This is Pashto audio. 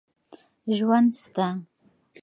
ژوند سته.